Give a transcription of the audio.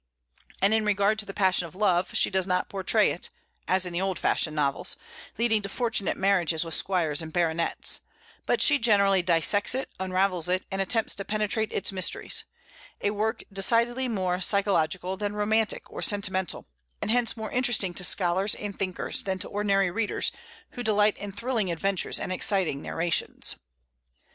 And in regard to the passion of love, she does not portray it, as in the old fashioned novels, leading to fortunate marriages with squires and baronets; but she generally dissects it, unravels it, and attempts to penetrate its mysteries, a work decidedly more psychological than romantic or sentimental, and hence more interesting to scholars and thinkers than to ordinary readers, who delight in thrilling adventures and exciting narrations.